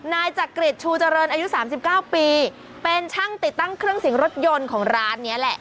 นายจักริจชูเจริญอายุ๓๙ปีเป็นช่างติดตั้งเครื่องเสียงรถยนต์ของร้านนี้แหละ